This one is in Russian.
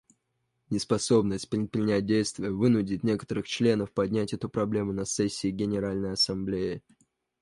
Неспособность предпринять действия вынудит некоторых членов поднять эту проблему на сессии Генеральной Ассамблеи.